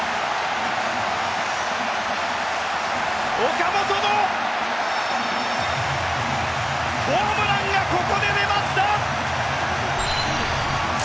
岡本のホームランがここで出ました！